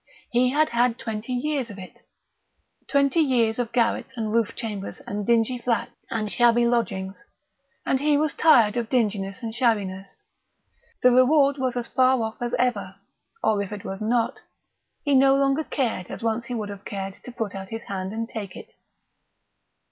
He had had twenty years of it twenty years of garrets and roof chambers and dingy flats and shabby lodgings, and he was tired of dinginess and shabbiness. The reward was as far off as ever or if it was not, he no longer cared as once he would have cared to put out his hand and take it.